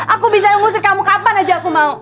aku bisa ngusir kamu kapan aja